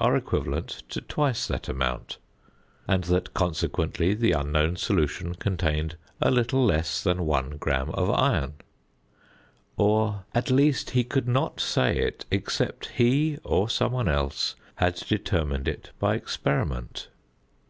are equivalent to twice that amount; and that, consequently, the unknown solution contained a little less than 1 gram of iron; or, at least, he could not say it except he (or some one else) had determined it by experiment.